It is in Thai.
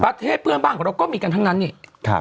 ประเทศเพื่อนบ้านของเราก็มีกันทั้งนั้นนี่